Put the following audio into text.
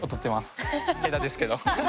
下手ですけど。